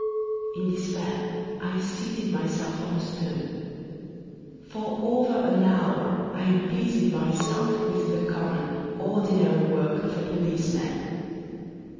In despair I seated myself on a stone. For over an hour I busied myself with the common, ordinary work of a policeman.